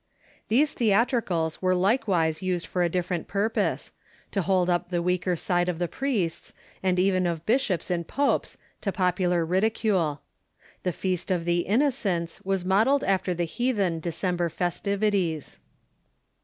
These theatricals were likewise used for a different purpose — to hold up the weaker side of the priests, and even of bishops and popes, to popular ridicule. The Feast of the Innocents was modelled after the heathen December festivities.